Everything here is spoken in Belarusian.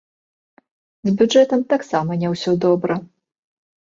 З бюджэтам таксама не ўсё добра.